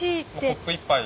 コップ１杯。